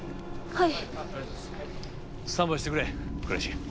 はい。